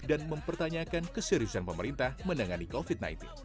dan mempertanyakan keseriusan pemerintah menangani covid sembilan belas